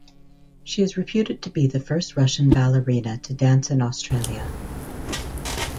She is reputed to be the first Russian ballerina to dance in Australia.